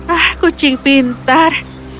ah kucing pintar